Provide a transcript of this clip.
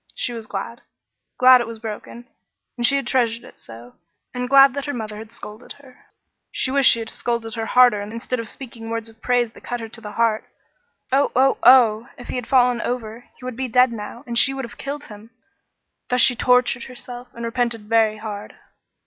She was glad glad it was broken and she had treasured it so and glad that her mother had scolded her; she wished she had scolded harder instead of speaking words of praise that cut her to the heart. Oh, oh, oh! If he had fallen over, he would be dead now, and she would have killed him! Thus she tortured herself, and repented very hard.